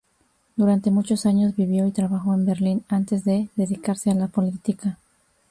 Durante muchos años vivió y trabajó en Berlín antes de dedicarse a la política.